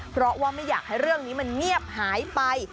เพราะว่าไม่อยากให้เรื่องนี้มันเงียบหายไป